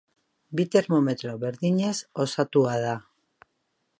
Bi termometro berdinez osatua da.